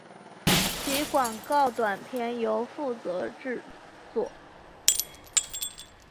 其广告短片由负责制作。